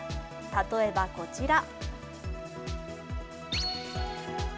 例えばこちら。